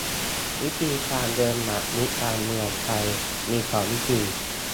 วิธีการเดินหมากรุกการเมืองไทยมีสองวิธี